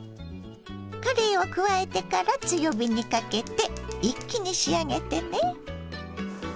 かれいを加えてから強火にかけて一気に仕上げてね。